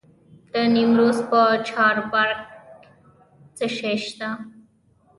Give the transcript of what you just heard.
د نیمروز په چاربرجک کې څه شی شته؟